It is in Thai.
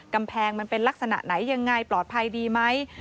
มันเป็นลักษณะไหนยังไงปลอดภัยดีไหม